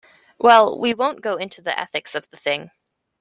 Well, we won't go into the ethics of the thing.